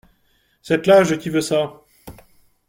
C’est l’âge qui veut ça !